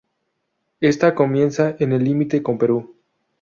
Esta comienza en el límite con Perú.